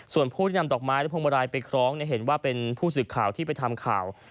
ส่วนผู้ที่นำตรอกไม้และพงบรายไปคล้องเนี่ยเห็นว่าเป็นผู้สึกข่าวที่ไปทำข่าว